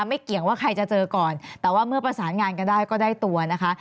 เกี่ยงว่าใครจะเจอก่อนแต่ว่าเมื่อประสานงานกันได้ก็ได้ตัวนะคะ